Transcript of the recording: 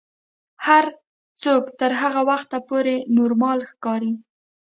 هر څوک تر هغه وخته پورې نورمال ښکاري.